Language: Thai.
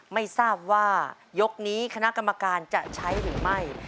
ไม่ทราบว่ายกนี้คณะกรรมการจะใช้หรือไม่